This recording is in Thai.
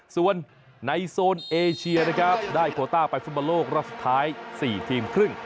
ส่วนในโซนเอเชียนะครับได้โคต้าไปฟุตบอลโลกรอบสุดท้าย๔ทีมครึ่ง